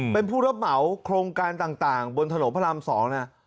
เป็นผู้รับเหมาโครงการต่างบนถนนพระราม๒นะ